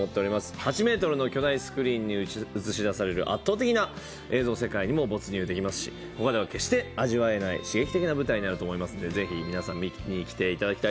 ８ｍの巨大スクリーンに映し出される圧倒的な映像世界にも没入できますしほかでは決して味わえない刺激的な舞台となっていますので是非皆さん見に来てください。